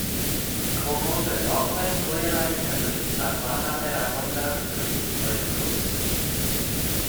Cwmwd yng ngogledd-ddwyrain Cymru ar lan aber afon Dyfrdwy oedd Cwnsyllt.